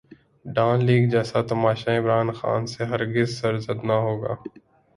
Dawn leaks جیسا تماشا عمران خان سے ہر گز سرزد نہ ہوگا۔